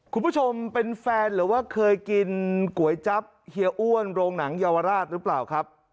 คุณผู้ชมเป็นแฟนหรือว่าเคยกินก๋วยจั๊บเฮียอ้วนโรงหนังเยาวราชหรือเปล่าครับ